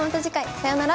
さようなら。